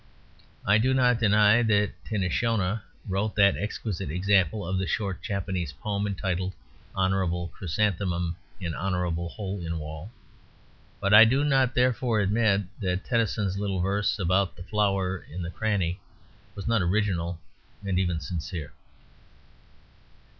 I do not deny that Tinishona wrote that exquisite example of the short Japanese poem entitled "Honourable Chrysanthemum in Honourable Hole in Wall." But I do not therefore admit that Tennyson's little verse about the flower in the cranny was not original and even sincere.